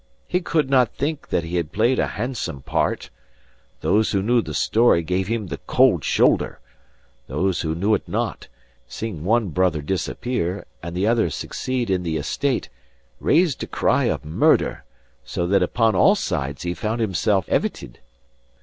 He could not think that he had played a handsome part. Those who knew the story gave him the cold shoulder; those who knew it not, seeing one brother disappear, and the other succeed in the estate, raised a cry of murder; so that upon all sides he found himself evited.